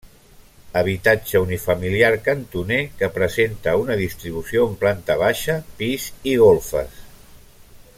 Habitatge unifamiliar cantoner que presenta una distribució en planta baixa, pis i golfes.